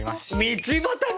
道端に！？